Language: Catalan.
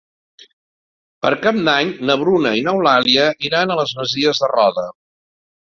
Per Cap d'Any na Bruna i n'Eulàlia iran a les Masies de Roda.